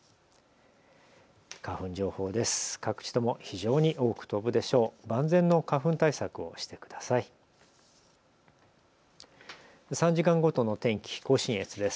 花粉情報です。